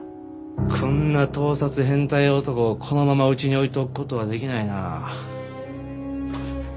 こんな盗撮変態男をこのままうちに置いておく事はできないなあ。